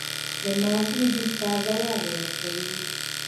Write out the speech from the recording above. د مالټې جوس تازه والی ورکوي.